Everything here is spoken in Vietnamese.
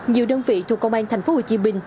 nhiều đơn vị thuộc công an thành phố hồ chí minh